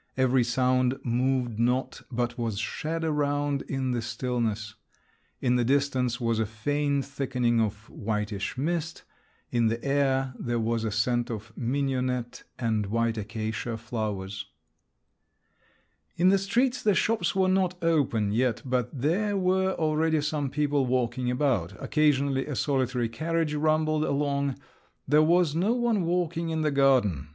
Every sound moved not, but was shed around in the stillness. In the distance was a faint thickening of whitish mist; in the air there was a scent of mignonette and white acacia flowers. In the streets the shops were not open yet, but there were already some people walking about; occasionally a solitary carriage rumbled along … there was no one walking in the garden.